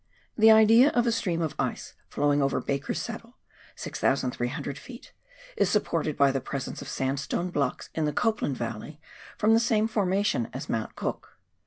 The idea of a stream of ice flowing over Baker's Saddle (6,300 ft.) is supported by the presence of sandstone blocks in the Copland valley of the same formation as Mount Cook.